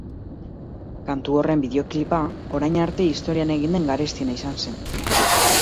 Kantu horren bideoclipa orain arte historian egin den garestiena izan zen.